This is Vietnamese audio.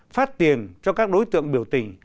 phát tiền cho các đối tượng biểu tình